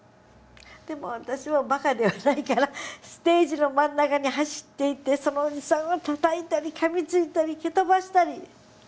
でも私はバカではないからステージの真ん中に走っていってそのおじさんをたたいたりかみついたり蹴飛ばしたり。